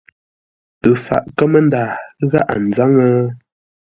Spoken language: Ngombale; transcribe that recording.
Ə faʼ kámə́nda gháʼa nzáŋə́?